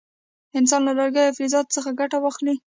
انسان له لرګیو او فلزاتو څخه ګټه واخیسته.